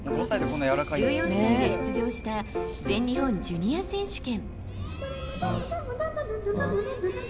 １４歳で出場した全日本ジュニア選手権。